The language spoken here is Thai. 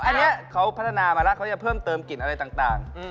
อันนี้เขาพัฒนามาแล้วเขาจะเพิ่มเติมกลิ่นอะไรต่าง